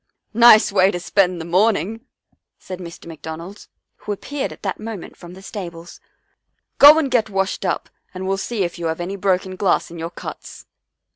" Nice way to spend the morning," said Mr. McDonald, who appeared at that moment from the stables. " Go and get washed up and we'll see if you have any broken glass in your cuts."